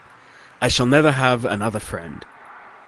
I shall never have another friend.